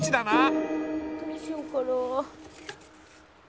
どうしようかな。